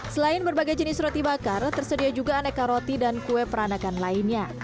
selain berbagai jenis roti bakar tersedia juga aneka roti dan kue peranakan lainnya